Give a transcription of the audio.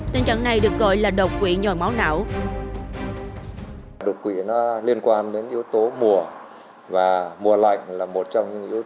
tình trạng này được gọi là độc quỷ nhòi máu não